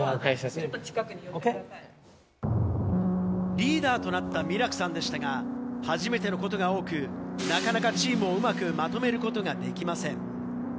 リーダーとなったミラクさんでしたが、初めてのことが多く、なかなかチームをうまくまとめることができません。